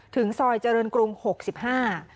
ถึงซอยเจริญกรุงหกสิบห้า